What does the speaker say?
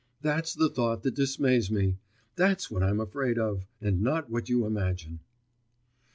That's the thought that dismays me, that's what I am afraid of, and not what you imagine.